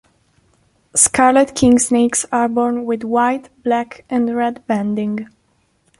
Scarlet kingsnakes are born with white, black, and red banding.